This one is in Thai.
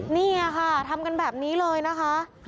นี่ค่ะทำกันแบบนี้เลยนะคะ